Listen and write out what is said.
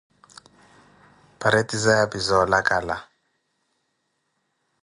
Paratizaya pi za olacala.